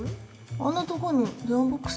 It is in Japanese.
あんなとこに電話ボックス